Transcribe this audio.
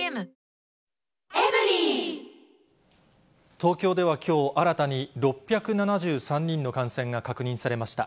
東京ではきょう、新たに６７３人の感染が確認されました。